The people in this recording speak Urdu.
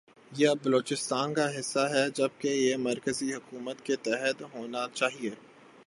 یہ اب بلوچستان کا حصہ ھے جبکہ یہ مرکزی حکومت کے تحت ھوناچاھیے۔